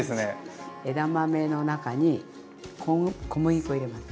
枝豆の中に小麦粉入れます。